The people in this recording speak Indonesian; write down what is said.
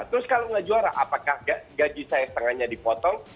terus kalau nggak juara apakah gaji saya setengahnya dipotong